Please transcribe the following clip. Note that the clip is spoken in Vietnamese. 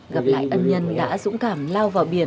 gặp lại ân nhân đã dũng cảm lao vào biển